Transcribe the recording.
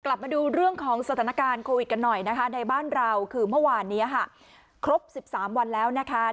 มาดูเรื่องของสถานการณ์โควิดกันหน่อยนะคะในบ้านเราคือเมื่อวานนี้ค่ะครบ๑๓วันแล้วนะคะ